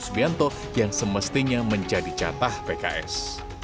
subianto yang semestinya menjadi catah pks